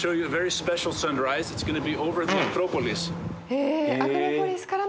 へえ。